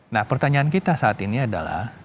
nah pertanyaan kita saat ini adalah